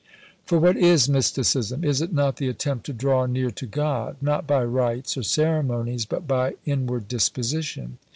For what is Mysticism? Is it not the attempt to draw near to God, not by rites or ceremonies, but by inward disposition?